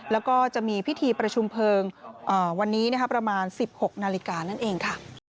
แล้วก็จะมีพิธีประชุมเพลิงวันนี้ประมาณ๑๖นาฬิกานั่นเองค่ะ